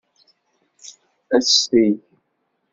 Ad tt-teg.